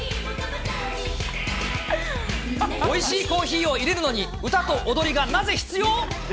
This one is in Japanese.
おいしいコーヒーをいれるのに、歌と踊りがなぜ必要？